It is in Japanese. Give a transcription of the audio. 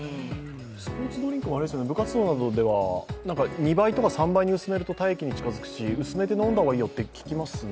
スポーツドリンクも部活動などでは２倍とか３倍に薄めると体液に近づくし薄めて飲んだ方がいいよとは聞きますよね。